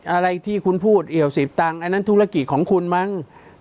อะไรที่คุณพูดเอี่ยวสิบตังค์อันนั้นธุรกิจของคุณมั้ง